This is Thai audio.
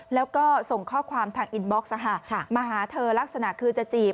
แล้วก็ส่งข้อความทางอินบ็อกซ์มาหาเธอลักษณะคือจะจีบ